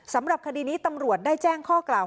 สำหรับคดีนี้ตำรวจได้แจ้งข้อกล่าว